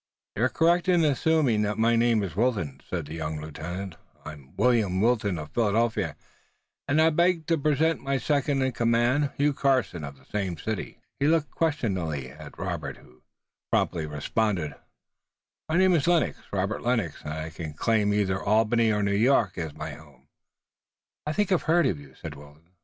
"You're correct in assuming that my name is Wilton," said the young lieutenant. "I'm William Wilton, of Philadelphia, and I beg to present my second in command, Hugh Carson, of the same city." He looked questioningly at Robert, who promptly responded: "My name is Lennox, Robert Lennox, and I can claim either Albany or New York as a home." "I think I've heard of you," said Wilton.